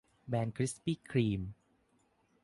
แบนคริสปี้ครีม